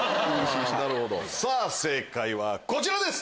さぁ正解はこちらです！